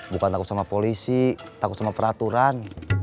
bukan takut sama polisi takut sama peraturan